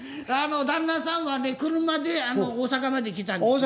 旦那さんはね車で大阪まで来たんですよ。